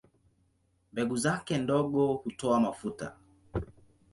Mbegu zake ndogo hutoa mafuta.